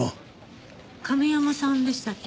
亀山さんでしたっけ？